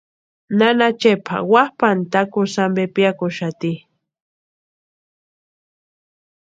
Nana Chepa wapʼani takusï ampe piakuxati.